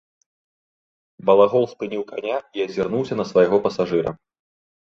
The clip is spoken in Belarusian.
Балагол спыніў каня і азірнуўся на свайго пасажыра.